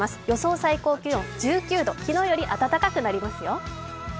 予想最高気温１９度昨日より暖かくなりますよ。